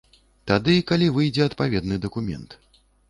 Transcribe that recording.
Тады, калі выйдзе адпаведны дакумент.